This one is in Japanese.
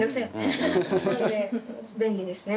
なので便利ですね